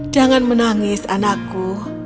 jangan menangis anakku